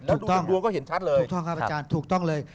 แล้วดูกันดูก็เห็นชัดเลยครับอาจารย์ถูกต้องเลย